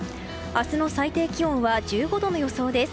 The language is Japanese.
明日の最低気温は１５度の予想です。